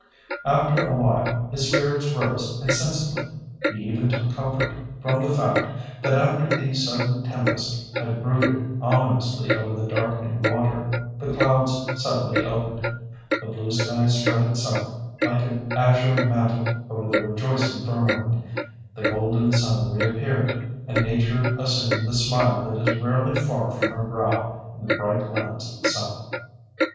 After a while, his spirits rose insensibly. He even took comfort from the fact that after the sudden tempest had brooded ominously over the darkening water, the clouds suddenly opened—the blue sky spread itself like an azure mantle over the rejoicing firmament—the golden sun reappeared, and Nature assumed the smile that is rarely far from her brow in the bright lands of the South.